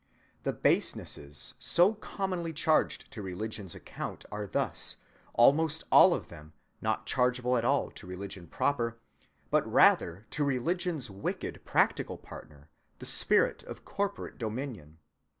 The basenesses so commonly charged to religion's account are thus, almost all of them, not chargeable at all to religion proper, but rather to religion's wicked practical partner, the spirit of corporate dominion.